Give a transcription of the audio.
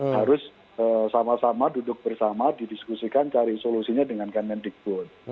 harus sama sama duduk bersama didiskusikan cari solusinya dengan kemendikbud